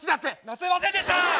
すいませんでした！